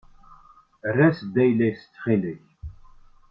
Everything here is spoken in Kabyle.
Err-as-d ayla-as ttxil-k.